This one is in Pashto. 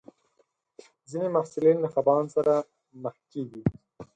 ځینې محصلین له خپګان سره مخ کېږي.